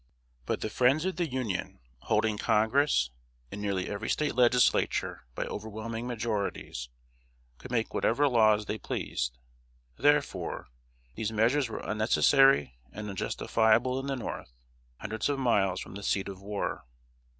But the friends of the Union, holding Congress, and nearly every State Legislature by overwhelming majorities, could make whatever laws they pleased; therefore, these measures were unnecessary and unjustifiable in the North, hundreds of miles from the seat of war.